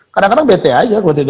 kadang kadang bete aja buat itu